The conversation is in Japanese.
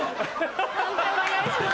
判定お願いします。